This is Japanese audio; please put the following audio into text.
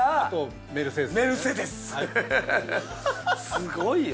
すごいよ。